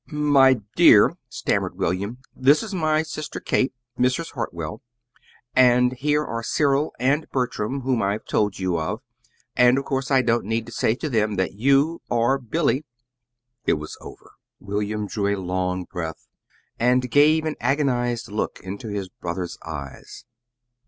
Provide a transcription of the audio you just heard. "My dear," stammered William, "this is my sister, Kate, Mrs. Hartwell; and here are Cyril and Bertram, whom I've told you of. And of course I don't need to say to them that you are Billy." It was over. William drew a long breath, and gave an agonized look into his brothers' eyes.